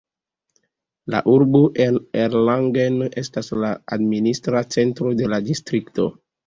La urbo Erlangen estas la administra centro de la distrikto.